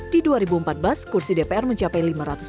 di dua ribu empat belas kursi dpr mencapai lima ratus empat puluh